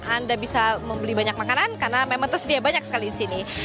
anda bisa membeli banyak makanan karena memang tersedia banyak sekali di sini